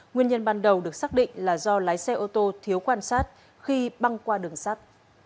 nguyên nhân ban đầu được xác định là do lái xe ô tô thiếu quan sát khi băng qua đường sắt